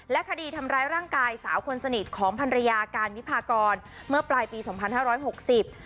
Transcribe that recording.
คดีทำร้ายร่างกายสาวคนสนิทของพันรยาการวิพากรเมื่อปลายปีสองพันห้าร้อยหกสิบ